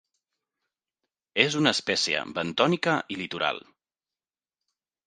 És una espècie bentònica i litoral.